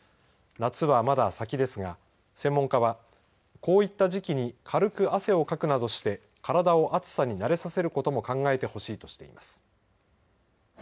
夏はまだ先ですが専門家は、こういった時期に軽く汗をかくなどして体を暑さに慣れさせることも考えてほしいといいます。